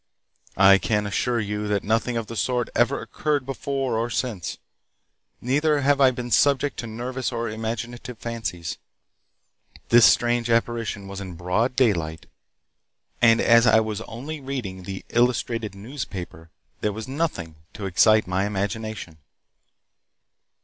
"I can assure you that nothing of the sort ever occurred before or since. Neither have I been subject to nervous or imaginative fancies. This strange apparition was in broad daylight, and as I was only reading the 'Illustrated Newspaper,' there was nothing to excite my imagination."